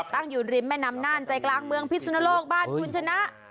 ตั้งอยู่ริมแม่น้ำน่านใจกลางเมืองพิสุนโลกบ้านคุณชนะ